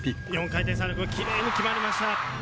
４回転サルコー、きれいに決まりました。